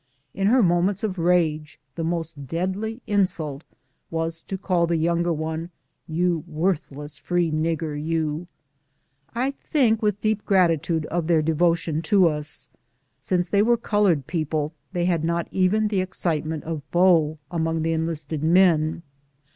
In her moments of rage the most deadly insult was to call the younger one " you worthless free nigger, you !" I think with deep gratitude of their devotion to us. As they were colored people they had not even the excite ment of beaux among the enlisted men.